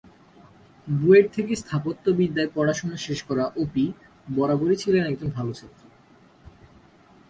বুয়েট থেকে স্থাপত্যবিদ্যায় পড়াশোনা শেষ করা অপি বরাবরই ছিলেন একজন ভালো ছাত্রী।